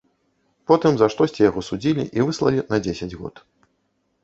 Потым за штосьці яго судзілі і выслалі на дзесяць год.